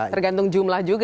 tergantung jumlah juga